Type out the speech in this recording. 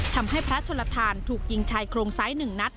ทำให้พระชนลทานถูกยิงชายโครงซ้าย๑นัด